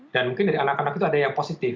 dan mungkin dari anak anak itu ada yang positif